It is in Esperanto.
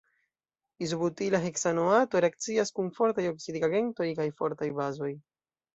Izobutila heksanoato reakcias kun fortaj oksidigagentoj kaj fortaj bazoj.